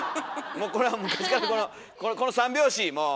もうこれは昔からこの三拍子もう！